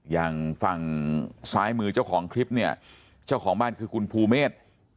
อย่างฝั่งซ้ายมือเจ้าของคลิปเนี่ยเจ้าของบ้านคือคุณภูเมฆ